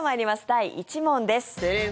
第１問です。